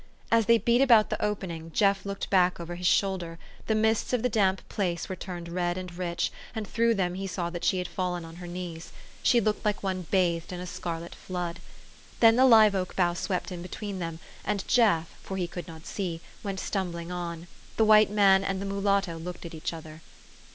As they beat about the opening, Jeff looked back over his shoulder. The mists of the damp place were turned red and rich, and through them he saw that she had fallen on her knees. She looked like one bathed in a scarlet flood. Then the live oak bough swept in between them, and Jeff, for he could not see, went stumbling on. ... The white man and the mulatto looked at each other.